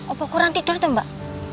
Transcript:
apa kurang tidur tuh mbak